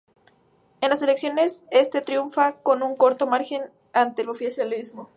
En las elecciones este triunfa con un corto margen ante el oficialismo.